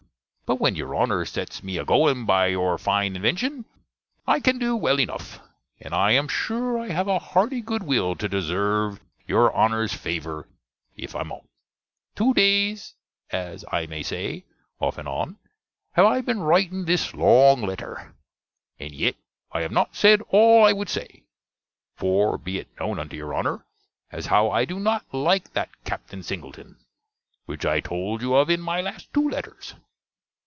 But when your Honner sets me agoing by your fine invenshon, I can do well enuff. And I am sure I have a hearty good will to deserve your Honner's faver, if I mought. Two days, as I may say, off and on, have I been writing this long letter. And yet I have not sed all I would say. For, be it knone unto your Honner, as how I do not like that Captain Singleton, which I told you of in my last two letters.